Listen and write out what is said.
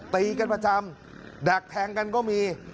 ตีกันประจำดักแทงกันก็มี